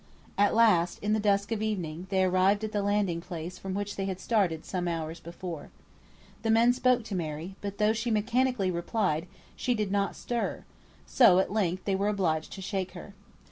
At last, in the dusk of evening, they arrived at the landing place from which they had started some hours before. The men spoke to Mary, but though she mechanically replied, she did not stir; so, at length, they were obliged to shake her.